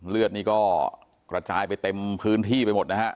เลือดนี่ก็กระจายไปเต็มพื้นที่ไปหมดนะฮะ